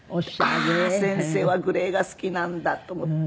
ああー先生はグレーが好きなんだと思って。